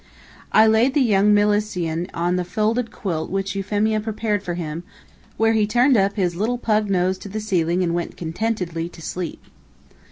I laid the young Milesian on the folded quilt which Euphemia prepared for him, where he turned up his little pug nose to the ceiling and went contentedly to sleep.